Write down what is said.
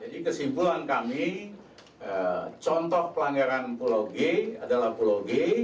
jadi kesimpulan kami contoh pelanggaran pulau g adalah pulau g